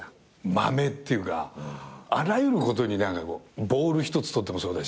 まめっていうかあらゆることに何かこうボール１つとってもそうだし。